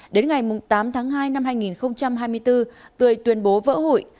đến ngày tám tháng hai năm hai nghìn hai mươi bốn tươi tuyên bố vỡ hội